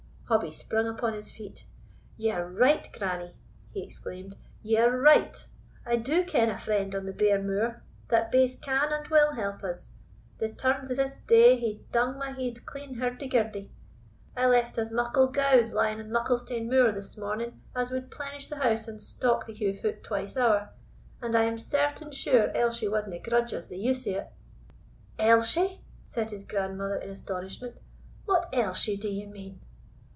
Hobbie sprung upon his feet. "Ye are right, grannie!" he exclaimed; "ye are right. I do ken a friend on the bare moor, that baith can and will help us The turns o' this day hae dung my head clean hirdie girdie. I left as muckle gowd lying on Mucklestane Moor this morning as would plenish the house and stock the Heugh foot twice ower, and I am certain sure Elshie wadna grudge us the use of it." "Elshie!" said his grandmother in astonishment; "what Elshie do you mean?"